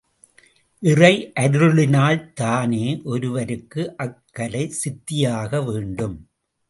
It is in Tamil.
இறையருளினால்தானே ஒருவருக்கு அக்கலை சித்தியாக வேண்டும்.